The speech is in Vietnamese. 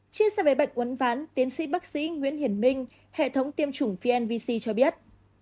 chia sẻ về bệnh quân phán tiến sĩ bác sĩ nguyễn hiển minh hệ thống tiêm trùng vnvc cho biết